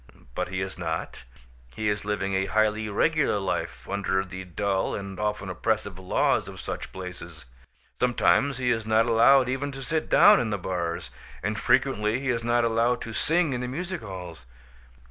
But he is not; he is living a highly regular life, under the dull, and often oppressive, laws of such places. Some times he is not allowed even to sit down in the bars; and frequently he is not allowed to sing in the music halls.